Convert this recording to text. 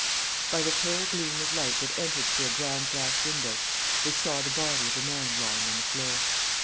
By the pale gleam of light that entered through a ground glass window they saw the body of a man lying on the floor.